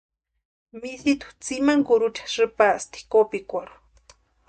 Misitu tsimani kurucha sïpasti kopikwarhu.